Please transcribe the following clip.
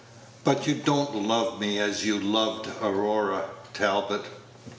"But you don't love me as you loved Aurora, Talbot?"